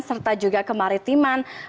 serta juga kemaritiman